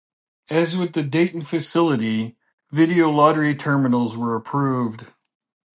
As with the Dayton facility, video lottery terminals were approved.